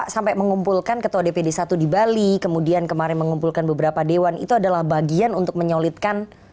saya pakai bendera ini kan nggak